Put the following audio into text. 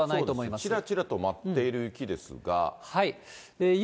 ちらちらと舞っている雪ですが。